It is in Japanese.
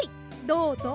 どうぞ。